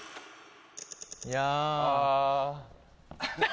いや。